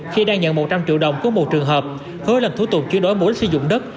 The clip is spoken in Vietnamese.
khi đang nhận một trăm linh triệu đồng có một trường hợp hứa lần thủ tục chuyên đối mục đích sử dụng đất